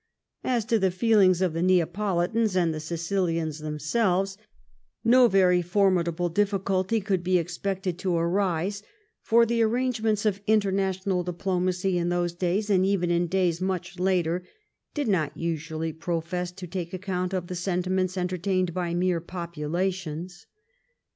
As to the feelings of the Neapolitans and the Sicilians themselves, no very formidable diffi culty could be expected to arise, for the arrangements 867 THE REIGN OF QUEEN ANNE of international diplomacy in those days, and eyen in days much later, did not usually profess to take account of the sentiments entertained b^ mere popu lations.